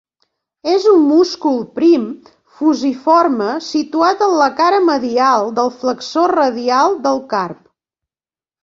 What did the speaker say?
És un múscul prim, fusiforme, situat en la cara medial del flexor radial del carp.